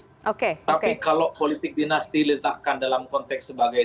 tapi kalau politik dinasti letakkan dalam konteks sebagai